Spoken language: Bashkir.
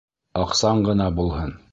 Аҡсаң ғына булһын.